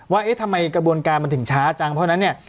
เอ๊ะทำไมกระบวนการมันถึงช้าจังเพราะฉะนั้นเนี่ย